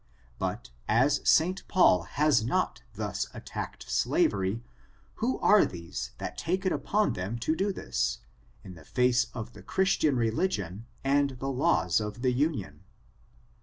But as St. Paul has not thus attacked slavery, who are theso that take it upon them to do this, in the face of the Christian religion and the laws of the Union?